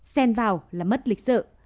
sen vào là mất lịch sự